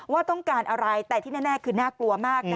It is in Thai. ว่าต้องการอะไรแต่ที่แน่คือน่ากลัวมาก